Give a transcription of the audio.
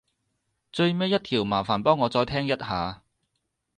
最尾一條麻煩幫我再聽一下